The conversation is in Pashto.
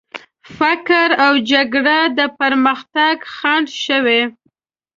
فقر او جګړه د پرمختګ خنډ شوي.